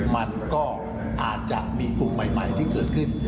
มันก็อาจจะมีกลุ่มใหม่ที่เกิดขึ้น